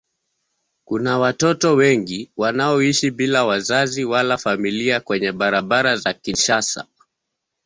Kuna watoto wengi wanaoishi bila wazazi wala familia kwenye barabara za Kinshasa.